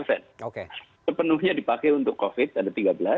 sepenuhnya dipakai untuk covid sembilan belas ada tiga belas